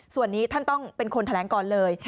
ส่วนนี้ท่านต้องเป็นคนแถลงก่อนเลย